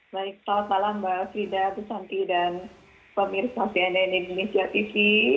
baik salam salam mbak frida bu santi dan pemirsa cnn indonesia tv